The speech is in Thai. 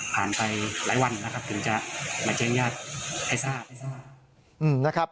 ผ่านไปหลายวันถึงจะมาแจ้งญาติให้ทราบ